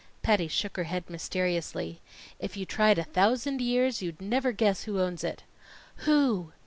Patty shook her head mysteriously. "If you tried a thousand years you'd never guess who owns it." "Who?"